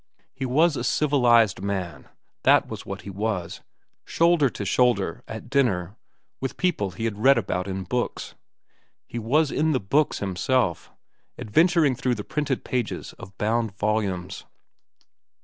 He was a civilized man, that was what he was, shoulder to shoulder, at dinner, with people he had read about in books. He was in the books himself, adventuring through the printed pages of bound volumes.